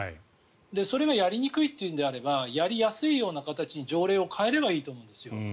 それがやりにくいというのであればやりやすいような形に条例を変えればいいと思うんですよ。